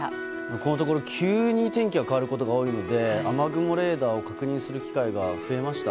このところ急に天気が変わることが多いので雨雲レーダーを確認する機会が増えました。